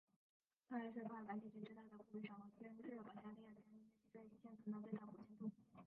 它还是巴尔干地区最大的古浴场和今日保加利亚疆域内现存的最大古建筑。